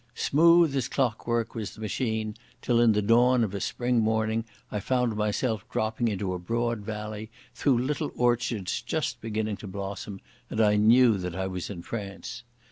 Smooth as clockwork was the machine, till in the dawn of a spring morning I found myself dropping into a broad valley through little orchards just beginning to blossom, and I knew that I was in France.